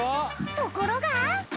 ところが。